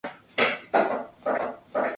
El origen, precuela de Gran Reserva.